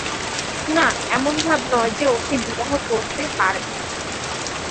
না, এমন ভাব নয় যে, ওঁকে বিবাহ করতে পারেন।